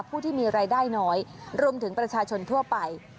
ผู้ที่มีรายได้น้อยรวมถึงประชาชนทั่วไป